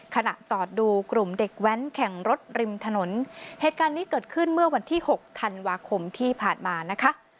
ขณะจอดดูกลุ่มเด็กแว้นแข่งรถริมถนนเหตุการณ์นี้เกิดขึ้นเมื่อวันที่หกธันวาคมที่ผ่านมานะคะ